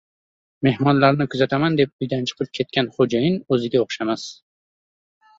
– mehmonlarni kuzataman deb uydan chiqib ketgan xo‘jayin o'ziga o'xshamas;